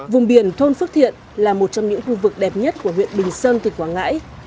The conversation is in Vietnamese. vùng biển thôn phước thiện là một trong những khu vực đẹp nhất của huyện bình sơn tỉnh quảng ngãi